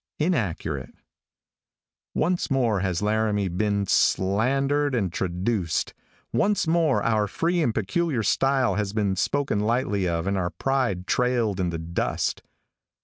INACCURATE. |ONCE more has Laramie been, slandered and traduced. Once more our free and peculiar style has been spoken lightly of and our pride trailed in the dust.